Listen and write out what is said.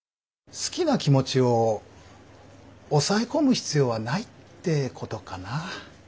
好きな気持ちを抑え込む必要はないってことかな。